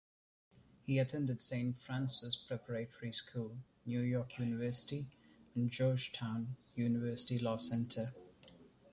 He attended Saint Francis Preparatory School, New York University and Georgetown University Law Center.